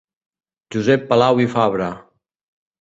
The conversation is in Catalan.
Josep Palau i Fabre.